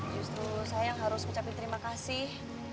justru saya yang harus ngucapin terima kasih